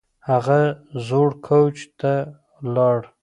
هغه زوړ کوچ ته لاړه